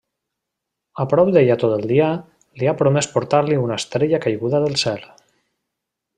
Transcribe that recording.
A prop d'ella tot el dia, li ha promès portar-li una estrella caiguda del cel.